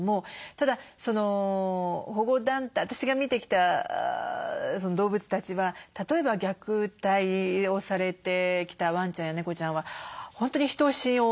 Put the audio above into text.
ただ私が見てきた動物たちは例えば虐待をされてきたワンちゃんや猫ちゃんは本当に人を信用できない。